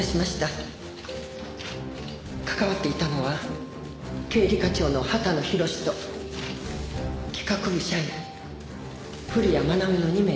関わっていたのは経理課長の畑野宏と企画部社員古谷愛美の２名です。